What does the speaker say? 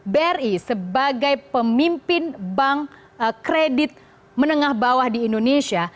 bri sebagai pemimpin bank kredit menengah bawah di indonesia